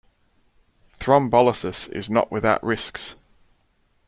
Thrombolysis is not without risks.